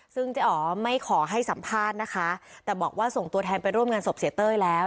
ซึ่งเจ๊อ๋อไม่ขอให้สัมภาษณ์นะคะแต่บอกว่าส่งตัวแทนไปร่วมงานศพเสียเต้ยแล้ว